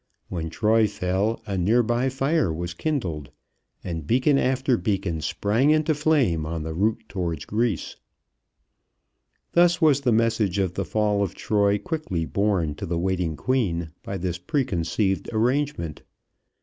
When Troy fell a near by fire was kindled, and beacon after beacon sprang into flame on the route toward Greece. Thus was the message of the fall of Troy quickly borne to the waiting queen by this preconceived arrangement.